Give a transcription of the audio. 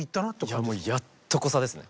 いやもうやっとこさですね。